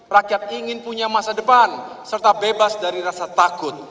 rakyat ingin punya masa depan serta bebas dari rasa takut